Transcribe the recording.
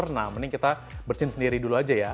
nah mending kita bersin sendiri dulu aja ya